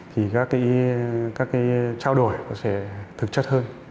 thì các cái trao đổi sẽ thực chất hơn